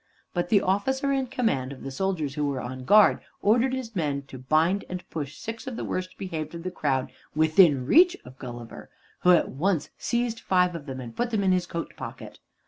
But the officer in command of the soldiers who were on guard ordered his men to bind and push six of the worst behaved of the crowd within reach of Gulliver, who at once seized five of them and put them in his coat pocket.